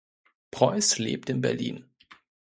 Preuß lebt in Berlin.